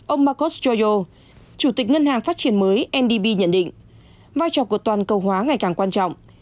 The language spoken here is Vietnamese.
ông marcus giorgio chủ tịch ngân hàng phát triển mới nhận định vai trò của toàn cầu hóa ngày càng quan trọng